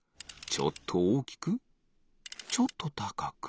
ちょっとおおきくちょっとたかく。